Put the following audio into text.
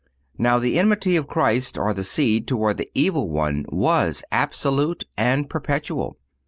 Now the enmity of Christ, or the Seed, toward the evil one was absolute and perpetual.